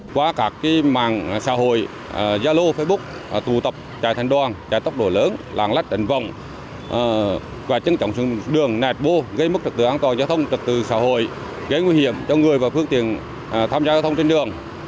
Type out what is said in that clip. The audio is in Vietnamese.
qua các mạng xã hội gia lô facebook tụ tập trại thành đoàn trại tốc độ lớn làng lách đẩn vòng và chứng trọng xung đường nạt bô gây mất trật tự an toàn giao thông trật tự xã hội gây nguy hiểm cho người và phương tiện tham gia giao thông trên đường